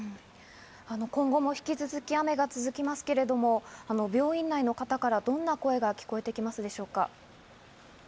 今後も引き続き雨が続きますが、病院内の方からどんな声が聞こえてきますか？